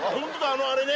あのあれね。